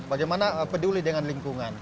bagaimana peduli dengan lingkungan